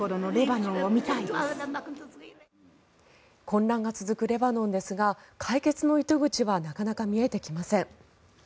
混乱が続くレバノンですが解決の糸口はなかなか見えてきません。